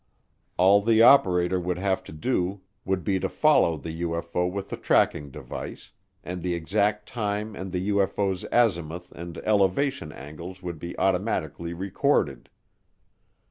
All the operator would have to do would be to follow the UFO with the tracking device, and the exact time and the UFO's azimuth and elevation angles would be automatically recorded.